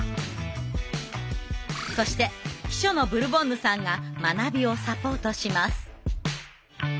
そして秘書のブルボンヌさんが学びをサポートします。